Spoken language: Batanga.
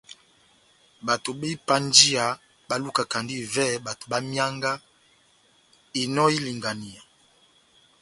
Bato bá ipanjiya bá lukakandi ivɛ bato bá mianga inò y'ilinganiya.